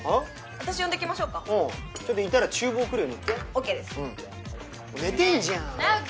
私呼んできましょうかおういたら厨房来るように言ってＯＫです寝てんじゃん直己！